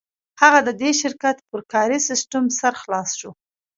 هغه د دې شرکت پر کاري سیسټم سر خلاص شو